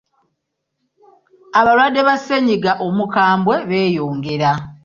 Abalwadde ba ssennyiga omukambwe beeyongera.